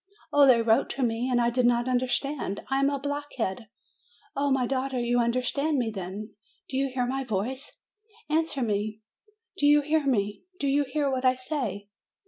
Oh, they wrote to me, and I did not understand. I am a blockhead. Oh, my daughter, you understand me, then? Do you hear my voice? Answer me : do you hear me ? Do you hear what I say?"